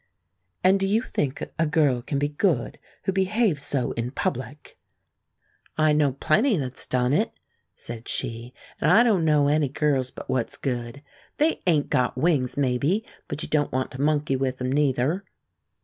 "And do you think a girl can be good who behaves so in public?" "I know plenty that's done it," said she; "and I don't know any girls but what's good. They 'ain't got wings, maybe, but you don't want to monkey with 'em, neither."